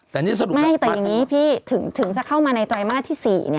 ไม่แต่อย่างนี้พี่ถึงจะเข้ามาในไตรมาสที่๔